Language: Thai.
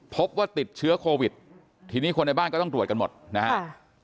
พบว่าติดเชื้อโควิดทีนี้คนในบ้านก็ต้องตรวจกันหมดนะฮะ